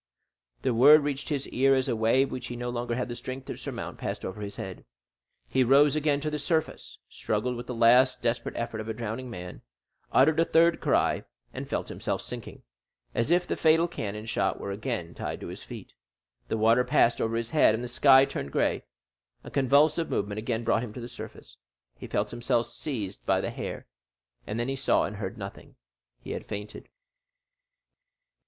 The word reached his ear as a wave which he no longer had the strength to surmount passed over his head. He rose again to the surface, struggled with the last desperate effort of a drowning man, uttered a third cry, and felt himself sinking, as if the fatal cannon shot were again tied to his feet. The water passed over his head, and the sky turned gray. A convulsive movement again brought him to the surface. He felt himself seized by the hair, then he saw and heard nothing. He had fainted.